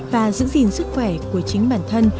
và giữ gìn sức khỏe của chính bản thân